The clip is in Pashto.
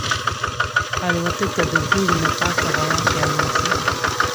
الوتکه د دوړو نه پاکه هوا کې الوزي.